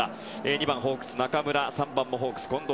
２番、ホークス中村３番、ホークス近藤。